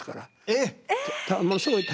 えっ！